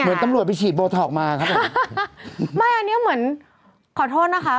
ตำรวจไปฉีดโบท็อกมาครับไม่อันนี้เหมือนขอโทษนะคะ